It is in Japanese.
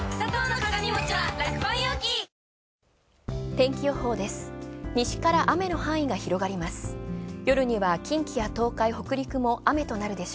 天気予報です。